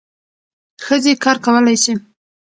ښځې کار کولای سي.